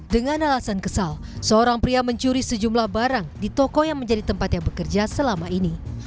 dengan alasan kesal seorang pria mencuri sejumlah barang di toko yang menjadi tempat yang bekerja selama ini